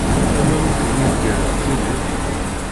Anwa nnutil ideg ara tettiliḍ?